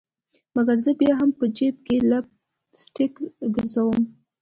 مګر زه بیا هم په جیب کي لپ سټک ګرزوم